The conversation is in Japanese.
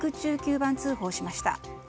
番通報しました。